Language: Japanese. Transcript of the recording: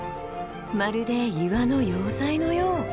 まるで岩の要塞のよう！